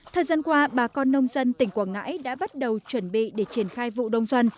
thời gian qua bà con nông dân tỉnh quảng ngãi đã bắt đầu chuẩn bị để triển khai vụ đông xuân